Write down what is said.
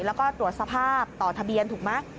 แล้วก็ตรวจสภาพต่อทะเบียนถูกไหม